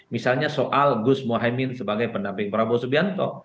misalnya soal gus mohaimin sebagai pendamping prabowo subianto